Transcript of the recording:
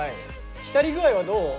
浸り具合はどう？